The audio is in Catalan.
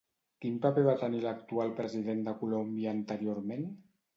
Quin paper va tenir l'actual president de Colòmbia anteriorment?